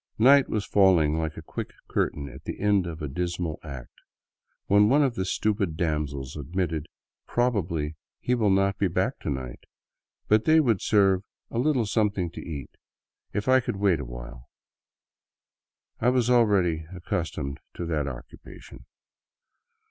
Night was falling like a quick curtain at the end of a dismal act, when one of the stupid damsels admitted " probably he will not be back to night," but that they would serve " a little something to eat," if I could wait awhile. I was already accustomed to that occupation.